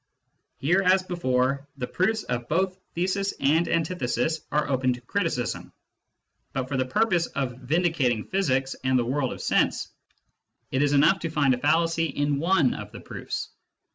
Here, as before, the proofs of both thesis and antithesis are open to criticism, but for the purpose of vindicating physics and the world of sense it is enough to find a fallacy in one of the proofs.